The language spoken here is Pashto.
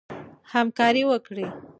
همکاري وکړئ.